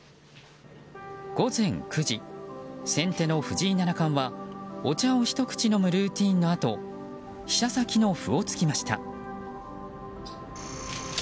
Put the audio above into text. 午前９時、先手の藤井七冠はお茶を一口飲むルーティンのあと飛車先の歩を突きました。